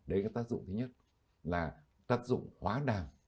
đấy cái tác dụng thứ nhất là tác dụng hóa đàm